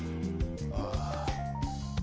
ああ。